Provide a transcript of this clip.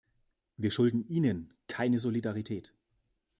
Wir schulden Ihnen keine Solidarität.